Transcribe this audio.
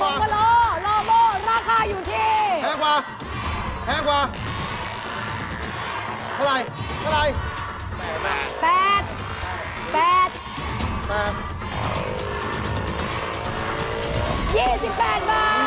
โอ้โฮทางสุดเลย